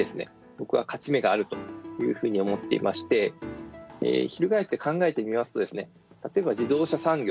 僕は勝ち目があるというふうに思っていまして翻って考えてみますと例えば自動車産業